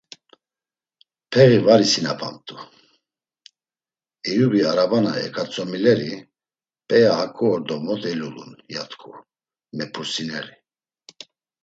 Peği var isinapamt̆u, Eyubi arabana eǩatzomileri: “P̌ea haǩu ordo mot elulun?” ya t̆ǩu mepurtsineri.